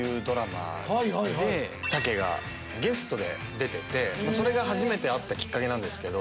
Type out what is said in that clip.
タケがゲストで出ててそれが初めて会ったきっかけなんですけど。